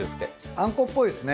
あんこっぽいですね。